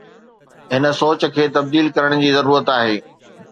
هن سوچ کي تبديل ڪرڻ جي ضرورت آهي.